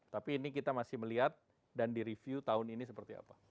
tapi ini kita masih melihat dan direview tahun ini seperti apa